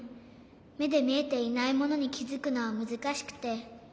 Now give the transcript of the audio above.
めでみえていないものにきづくのはむずかしくて。